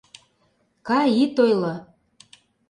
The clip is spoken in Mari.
— Кай, ит ойло...